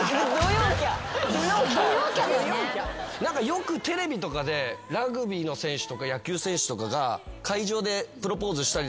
よくテレビとかでラグビーの選手とか野球選手とかが会場でプロポーズとかしてるの見るじゃないですか。